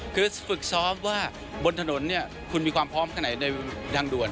คือฝึกซ้อมว่าบนถนนเนี่ยคุณมีความพร้อมแค่ไหนในทางด่วน